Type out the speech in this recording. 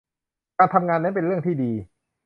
การทำงานนั้นเป็นเรื่องที่ดี